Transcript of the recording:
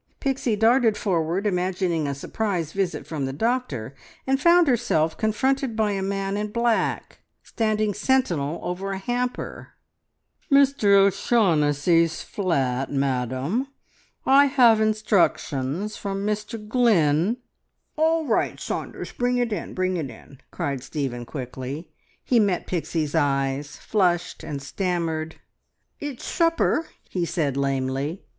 Pixie darted forward, imagining a surprise visit from the doctor, and found herself confronted by a man in black, standing sentinel over a hamper. "Mr O'Shaughnessy's flat, madam? I have instructions from Mr Glynn " "All right, Saunders, bring it in, bring it in!" cried Stephen quickly. He met Pixie's eyes, flushed, and stammered "It's ... supper!" he said lamely.